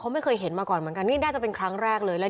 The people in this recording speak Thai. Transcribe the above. ไม่เคยเห็นมาก่อนเหมือนกันนี่น่าจะเป็นครั้งแรกเลย